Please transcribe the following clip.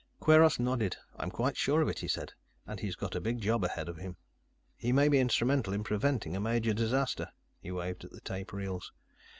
Kweiros nodded. "I'm quite sure of it," he said. "And he's got a big job ahead of him. He may be instrumental in preventing a major disaster." He waved at the tape reels.